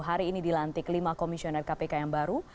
hari ini dilantik lima komisioner kpk yang baru